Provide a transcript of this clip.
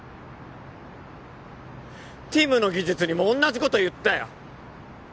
ティムの技術にもおんなじこと言ったよ！